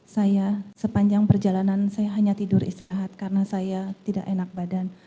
saya sepanjang perjalanan saya hanya tidur istirahat karena saya tidak enak badan